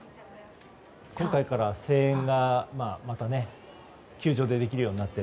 今回から、声援がまた球場でできるようになって。